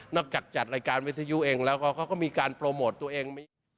จากจัดรายการวิทยุเองแล้วก็เขาก็มีการโปรโมทตัวเอง